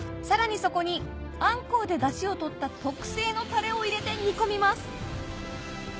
そこにあんこうでダシを取った特製のタレを入れて煮込みます